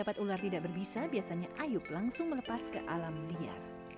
untuk ular ular jenis lain sudah lama